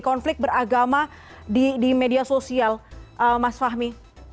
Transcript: konflik beragama di media sosial mas fahmi